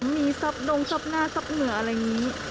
มีซับดงซับหน้าซับเหงื่ออะไรอย่างนี้